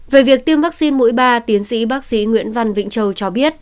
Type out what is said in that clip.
về việc tiêm vaccine mũi ba tiến sĩ bác sĩ nguyễn văn vĩnh châu cho biết